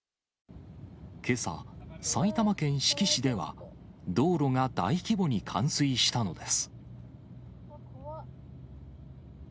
けさ、埼玉県志木市では、道路が大規模に冠水したのです。